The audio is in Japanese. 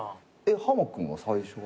ハマ君は最初は？